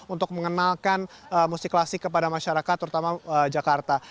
untuk mengenalkan musik klasik kepada masyarakat terutama jakarta